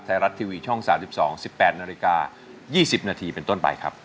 ไทยรัฐทีวีช่อง๓๒๑๘นาฬิกา๒๐นาทีเป็นต้นไปครับ